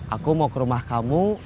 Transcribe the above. aku mau ke rumah kamu